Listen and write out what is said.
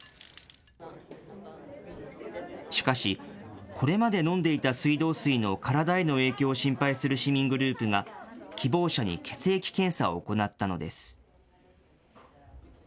しかし、これまで飲んでいた水道水の体への影響を心配する市民グループが、希望者に血液検査を行ったのです。